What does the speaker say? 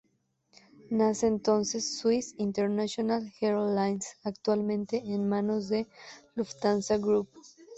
Nace entonces Swiss International Air Lines, actualmente en manos de "Lufthansa Group".